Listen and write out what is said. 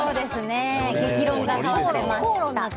激論が交わされました。